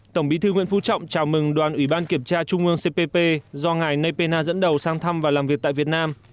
tổng bí thư nguyễn phú trọng chào mừng đoàn ủy ban kiểm tra trung ương cpp do ngài nepenna dẫn đầu sang thăm và làm việc tại việt nam